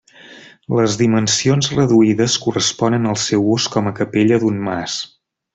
Les dimensions reduïdes corresponen al seu ús com a capella d'un mas.